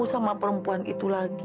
sama perempuan itu lagi